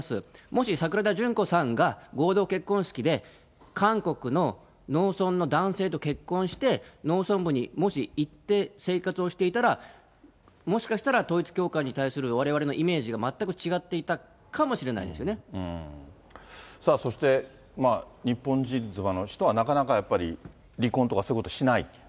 もし桜田淳子さんが合同結婚式で韓国の農村の男性と結婚して、農村部にも行って生活をしていたら、もしかしたら統一教会に対するわれわれのイメージが全く違っていそして、日本人妻の人はなかなかやっぱり、離婚とかそういうことをしない。